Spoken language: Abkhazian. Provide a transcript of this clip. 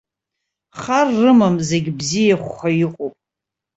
Хар рымам, зегь бзиахәха иҟоуп.